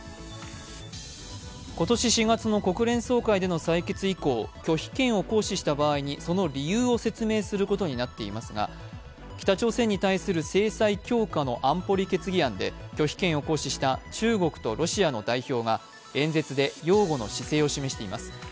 今年４月の国連総会での採決以降、拒否権を行使した場合に、その理由を説明することになっていますが、北朝鮮に対する制裁強化の安保理決議案で拒否権を行使した中国とロシアの代表が演説で擁護の姿勢を示しています。